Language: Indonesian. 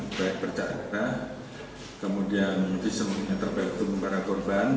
seperti percara kemudian semuanya terbaik untuk para korban